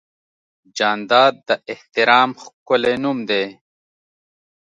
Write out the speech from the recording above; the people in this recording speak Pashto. جانداد د احترام ښکلی نوم دی.